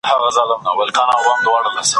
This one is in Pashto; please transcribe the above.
دا کتاب په نړيواله کچه بحثونه راپارولي دي.